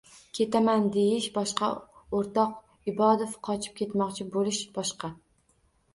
— «Ketaman» deyish boshqa, o‘rtoq Ibodov, qochib ketmoqchi bo‘lish boshqa!